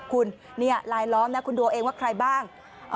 คุณนี่ลายล้อมนะคุณดูเอาเองว่าใครบ้าง